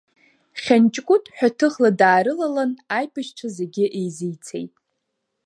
Хьанҷкәыт ҳәаҭыхла даарылалан, аибашьцәа зегьы еизицеит.